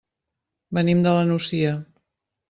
Venim de la Nucia.